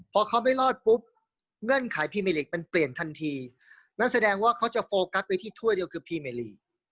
พอเขาไม่รอดปุ๊บเงื่อนไขพรีเมลิกมันเปลี่ยนทันทีนั่นแสดงว่าเขาจะโฟกัสไปที่ถ้วยเดียวคือพรีเมลีก